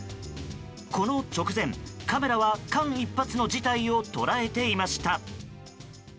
この直前、カメラは間一髪の事態を捉えていました。